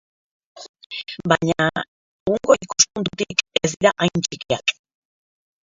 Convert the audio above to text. Baina, egungo ikuspuntutik, ez dira hain txikiak.